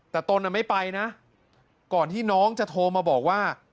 แต่ตนไม่ไปนะก่อนที่น้องจะโทรมาบอกว่า